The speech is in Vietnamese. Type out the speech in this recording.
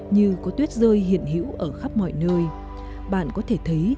như có tuyết rơi hiện hữu ở khắp mọi nơi